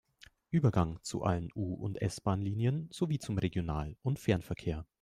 Übergang zu allen U- und S-Bahnlinien sowie zum Regional- und Fernverkehr.